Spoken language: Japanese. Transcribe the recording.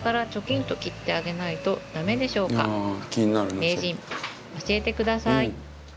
名人教えて下さい。